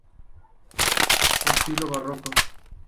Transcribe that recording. Estilo Barroco.